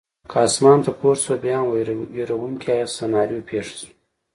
کې اسمان ته پورته شوه، بیا هم وېروونکې سناریو پېښه شوه.